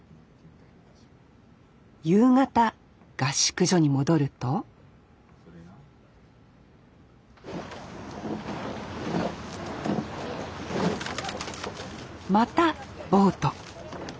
夕方合宿所に戻るとまたボート。